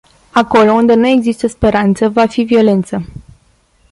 Acolo unde nu există speranță, va fi violență.